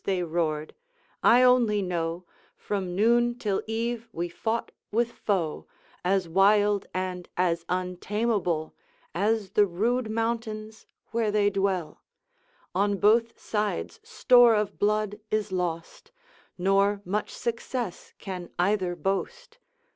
they roared: ' I only know, From noon till eve we fought with foe, As wild and as untamable As the rude mountains where they dwell; On both sides store of blood is lost, Nor much success can either boast.'